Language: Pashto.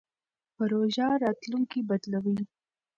پروژه راتلونکی بدلوي.